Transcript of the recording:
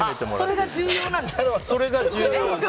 それが重要なんです。